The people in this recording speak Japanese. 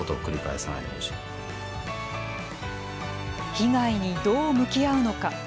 被害にどう向き合うのか。